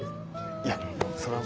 いやそれは。